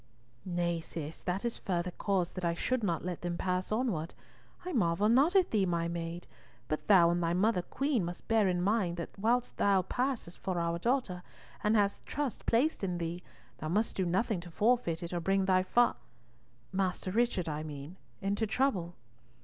"Nay, Cis, that is further cause that I should not let them pass onward. I marvel not at thee, my maid, but thou and thy mother queen must bear in mind that while thou passest for our daughter, and hast trust placed in thee, thou must do nothing to forfeit it or bring thy fa—, Master Richard I mean, into trouble."